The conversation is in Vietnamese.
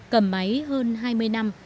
cầm máy hơn hai mươi năm